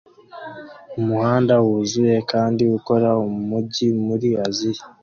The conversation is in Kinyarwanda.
Umuhanda wuzuye kandi ukora mumujyi muri Aziya